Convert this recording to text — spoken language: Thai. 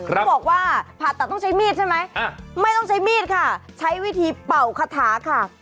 เขาบอกว่าผ่าตัดต้องใช้มีดใช่ไหมไม่ต้องใช้มีดค่ะใช้วิธีเป่าคาถาค่ะ